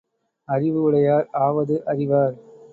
அறிவு உடையார் ஆவது அறிவார்.